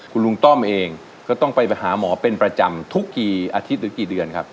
คุณลุงต้อมเองก็ต้องไปหาหมอเป็นประจำทุกกี่อาทิตย์หรือกี่เดือนครับ